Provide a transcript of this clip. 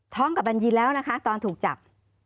ท้องกับบรรยีแล้วนะคะตอนถูกจับ